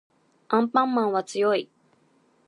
アンパンマンは強い